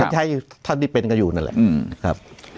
ใช้ท่านที่เป็นกันอยู่นั่นแหละครับ